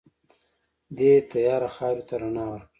دې تیاره خاورې ته رڼا ورکړه.